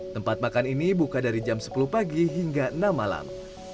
tempat makan ini buka dari jam sepuluh pagi hingga enam malam